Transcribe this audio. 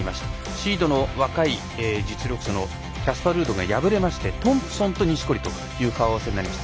シードの若い実力者のキャスパー・ルードが敗れましてトンプソンと錦織という顔合わせになりました。